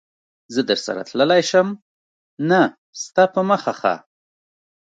زه درسره تللای شم؟ نه، ستا په مخه ښه.